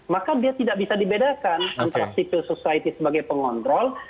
maka dia tidak bisa dibedakan antara civil society sebagai pengontrol